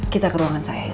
kita ke ruangan saya yuk